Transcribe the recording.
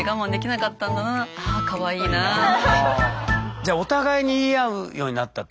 じゃあお互いに言い合うようになったってことですか？